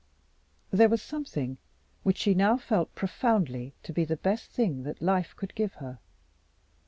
There was something which she now felt profoundly to be the best thing that life could give her.